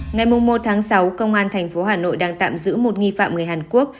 ngày một sáu công an tp hà nội đang tạm giữ một nghi phạm người hàn quốc